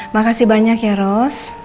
makasih banyak ya ros